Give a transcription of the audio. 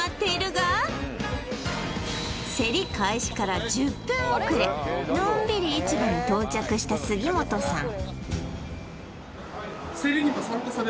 場内では競り開始から１０分遅れのんびり市場に到着した杉本さん